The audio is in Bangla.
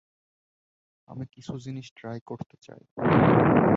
আমি কিছু জিনিস ট্রাই করতে চাই।